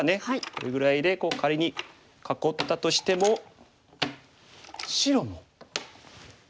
これぐらいで仮に囲ったとしても白もどうでしょう。